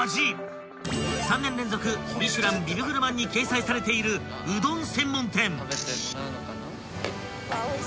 ［３年連続ミシュラン・ビブグルマンに掲載されているうどん専門店］